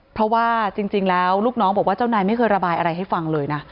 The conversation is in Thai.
เพราะว่าจริงแล้วลูกน้องบอกว่าเจ้านายไม่เคยระบายอะไรให้ฟังเลยนะ